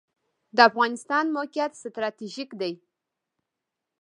د افغانستان موقعیت ستراتیژیک دی